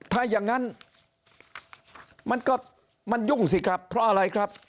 ถ้าอย่างนั้นมันก็มันยุ่งสิครับเพราะอะไรครับ